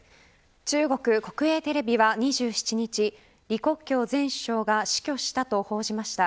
中国国営テレビは、２７日李克強前首相が死去したと報じました。